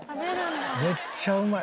めっちゃうまい。